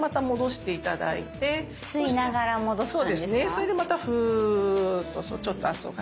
それでまたフーッとちょっと圧をかける。